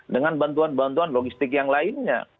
dengan bantuan bantuan logistik yang lainnya